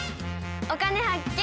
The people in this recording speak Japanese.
「お金発見」。